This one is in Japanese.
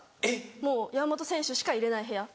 もう山本選手しか入れない部屋。